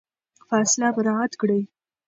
فاصله مراعات کړئ.